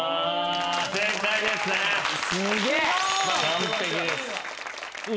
完璧です。